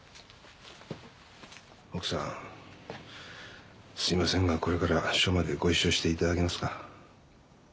奥さんすみませんがこれから署までご一緒していただけますか？